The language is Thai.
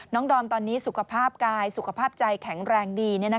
ดอมตอนนี้สุขภาพกายสุขภาพใจแข็งแรงดี